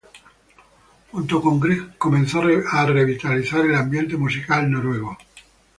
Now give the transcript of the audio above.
Junto con Grieg comenzó a revitalizar el ambiente musical noruego.